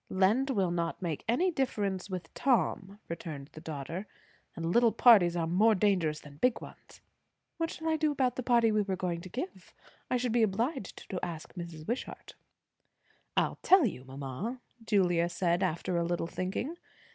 "Lent will not make any difference with Tom," returned the daughter. "And little parties are more dangerous than big ones." "What shall I do about the party we were going to give? I should be obliged to ask Mrs. Wishart." "I'll tell you, mamma," Julia said after a little thinking.